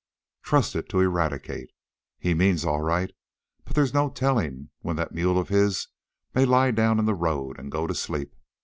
"Trust it to Eradicate. He means all right, but there's no telling when that mule of his may lie down in the road, and go to sleep.